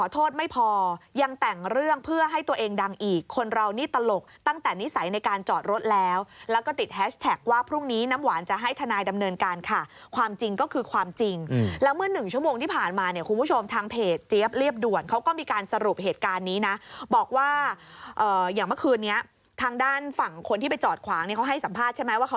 ไม่พอยังแต่งเรื่องเพื่อให้ตัวเองดังอีกคนเรานี่ตลกตั้งแต่นิสัยในการจอดรถแล้วแล้วก็ติดแฮชแท็กว่าพรุ่งนี้น้ำหวานจะให้ทนายดำเนินการค่ะความจริงก็คือความจริงแล้วเมื่อหนึ่งชั่วโมงที่ผ่านมาเนี่ยคุณผู้ชมทางเพจเจี๊ยบเรียบด่วนเขาก็มีการสรุปเหตุการณ์นี้นะบอกว่าอย่างเมื่อคืนนี้ทางด้านฝั่งคนที่ไปจอดขวางเนี่ยเขาให้สัมภาษณ์ใช่ไหมว่าเขา